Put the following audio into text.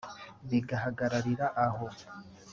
bigahararira aho